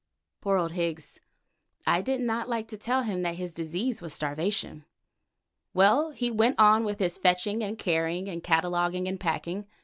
Poor old Higgs! I did not like to tell him that his disease was starvation. Well, he went on with his fetching and carrying and cataloguing and packing.